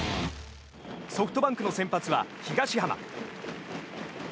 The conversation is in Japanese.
ソフトバンクの先発は東浜。